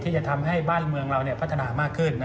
จะทำให้บ้านเมืองเราพัฒนามากขึ้น